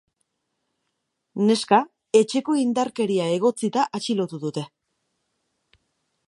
Neska etxeko indarkeria egotzita atxilotu dute.